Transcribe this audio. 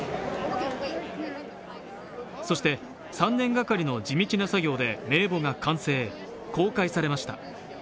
そして、３年がかりの地道な作業で名簿が完成、公開されました。